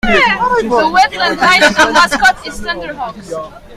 The Wheatland High School mascot is Thunderhawks.